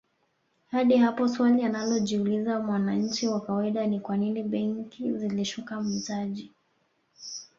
Hadi hapo swali analojiuliza mwananchi wa kawaida ni kwanini benki zilishuka mitaji